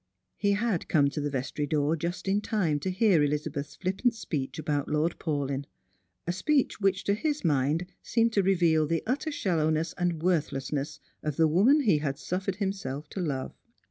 He had come to the vestry door just in time to hear EHzabeth's flippant speech about Lord Paulyn ; a speech which to his mind Beemcd to reveal the utter shallowness and worthlessness of the woman he had suffered himself to love.